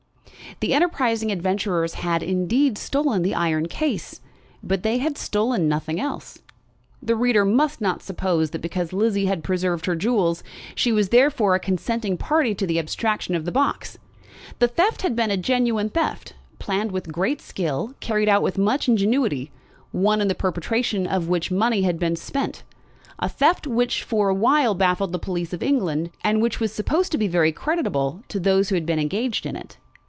The enterprising adventurers had, indeed, stolen the iron case, but they had stolen nothing else. The reader must not suppose that because Lizzie had preserved her jewels, she was therefore a consenting party to the abstraction of the box. The theft had been a genuine theft, planned with great skill, carried out with much ingenuity, one in the perpetration of which money had been spent, a theft which for a while baffled the police of England, and which was supposed to be very creditable to those who had been engaged in it.